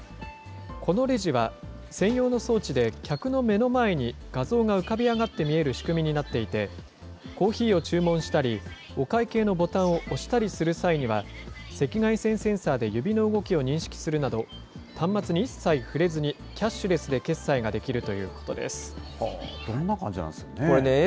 このレジは専用の装置で客の目の前に画像が浮かび上がって見える仕組みになっていて、コーヒーを注文したり、お会計のボタンを押したりする際には、赤外線センサーで指の動きを認識するなど、端末に一切触れずにキャッシュレスどんな感じなんですかね。